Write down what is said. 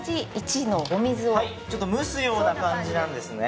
ちょっと蒸すような感じなんですね。